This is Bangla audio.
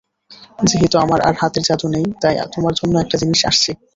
যেহেতু আমার আর হাতের যাদু নেই, তাই তোমার জন্য একটা জিনিস আসছি।